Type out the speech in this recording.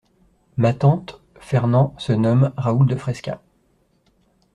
Ma tante, Fernand se nomme Raoul de Frescas.